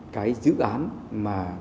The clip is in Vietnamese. cái dự án mà